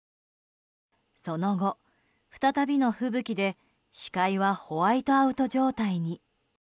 その後、再びの吹雪で視界はホワイトアウト状態に。